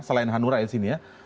selain anura kesini ya